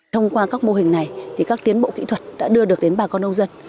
thông qua các mô hình này các tiến bộ kỹ thuật đã đưa được đến bà con nông dân